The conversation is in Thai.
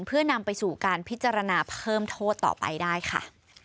เพื่อนำไปสู่การพิจารณาเพิ่มโทษต่อไปได้ค่ะ